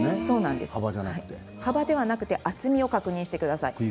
幅ではなく厚みを確認してください。